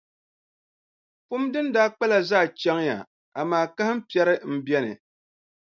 Pum din daa kpala zaa chaŋya, amaa kahimpiɛri m-be ni.